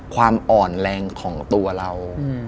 ความอ่อนแรงของตัวเรา